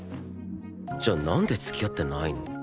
じゃあなんで付き合ってないの？